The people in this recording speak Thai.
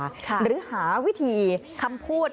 หรือหาวิธีคำพูด